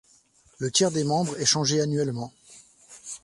Le tiers des membres est changé annuellement.